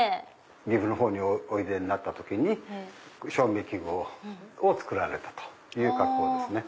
岐阜の方においでになった時に照明器具を作られたという格好ですね。